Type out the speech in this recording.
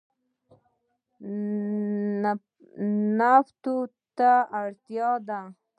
نفتو ته اړتیا ده.